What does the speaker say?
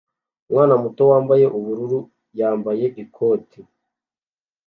Umwana muto wambaye ubururu yambaye ikoti